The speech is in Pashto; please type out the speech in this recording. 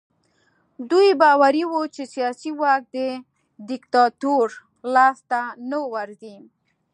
دوی باوري وو چې سیاسي واک د دیکتاتور لاس ته نه ورځي.